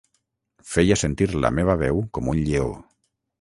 Feia sentir la meva veu com un lleó.